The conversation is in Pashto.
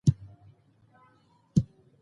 سړی د خپلو تېرو اعمالو په خاطر تر مرګ پښېمانه و.